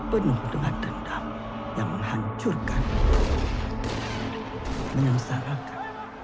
penuh dengan dendam yang menghancurkan menyengsarakan